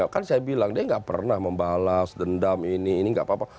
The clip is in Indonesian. kan saya bilang dia nggak pernah membalas dendam ini ini nggak apa apa